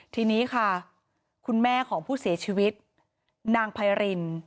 ทีนี้ค่ะคุณแม่ของผู้เสียชีวิตนางไพริน